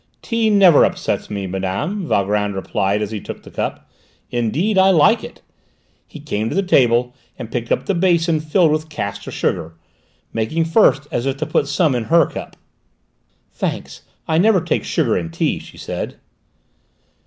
"Tea never upsets me, madame," Valgrand replied as he took the cup. "Indeed, I like it." He came to the table and picked up the basin filled with castor sugar, making first as if to put some in her cup. "Thanks, I never take sugar in tea," she said.